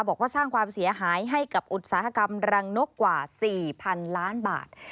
บอกว่าสร้างความเสียหายให้กับอุตสาหกรรมรังนกกว่า๔๐๐๐ล้านบาท